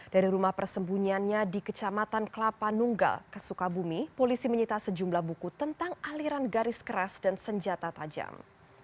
dari rumah persembunyiannya di kecamatan kelapa nunggal kesukabumi polisi menyita sejumlah buku tentang aliran garis keras dan senjata tajam